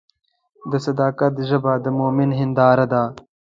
د صداقت ژبه د مؤمن هنداره ده.